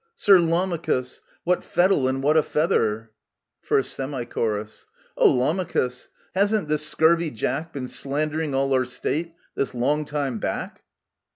Sir Lamachus ! What fettle and what a feather ! 1st Semi Char. O Lamachus, hasn't this scurvy jack Been slandering all our State this long time back